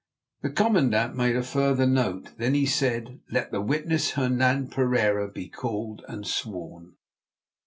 The commandant made a further note, then he said: "Let the witness Hernan Pereira be called and sworn."